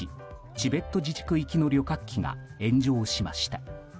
チベット自治区行きの旅客機が炎上しました。